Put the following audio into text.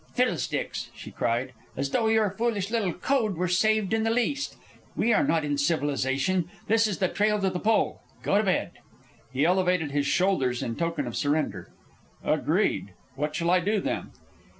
"Fiddlesticks!" she cried. "As though your foolish little code were saved in the least! We are not in civilization. This is the trail to the Pole. Go to bed." He elevated his shoulders in token of surrender. "Agreed. What shall I do then?"